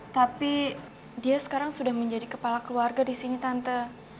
tapi dia sekarang sudah menjadi kepala keluarga disini tante